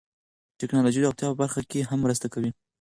ټکنالوژي د روغتیا په برخه کې هم مرسته کوي.